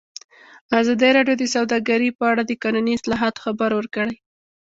ازادي راډیو د سوداګري په اړه د قانوني اصلاحاتو خبر ورکړی.